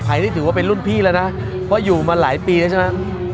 นี่ถือว่าเป็นรุ่นพี่แล้วนะเพราะอยู่มาหลายปีแล้วใช่ไหม